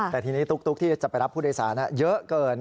แต่ทีนี้ตุ๊กที่จะไปรับผู้โดยสารเยอะเกิน